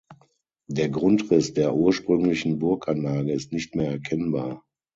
Der Grundriss der ursprünglichen Burganlage ist nicht mehr erkennbar.